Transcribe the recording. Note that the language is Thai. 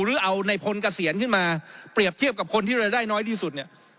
หรือเอาในพลเกษียณขึ้นมาเปรียบเทียบกับคนที่รายได้น้อยที่สุดเนี่ย